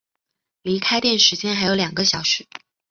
离开店时间还有两个小时